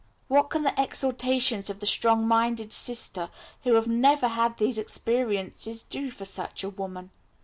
What can the exhortations of the strong minded sister, who has never had these experiences, do for such a woman?